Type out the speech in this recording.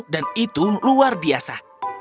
dan itu luar biasa